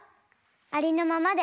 ありのままで。